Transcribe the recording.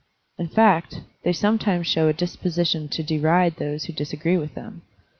In fact, they sometimes show a disposition to deride those who disagree with them.